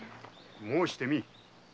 申してみい。